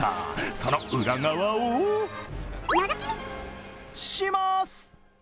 その裏側をのぞき見します。